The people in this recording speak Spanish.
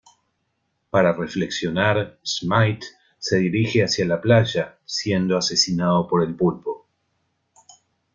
Para reflexionar, Smythe se dirige a la playa, siendo asesinado por el pulpo.